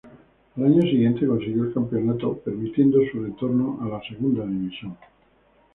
Al año siguiente consiguió el campeonato, permitiendo su retorno a la segunda división.